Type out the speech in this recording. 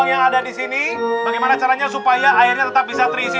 yang ada di sini bagaimana caranya supaya airnya tetap bisa terisi